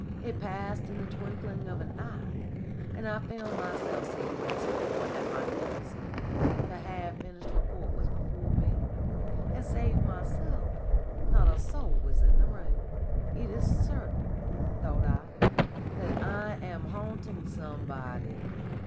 It passed in the twinkling of an eye, and I found myself seated as before at my desk; the half finished report was before me, and, save myself, not a soul was in the room. 'It is certain,' thought I, 'that I am haunting somebody.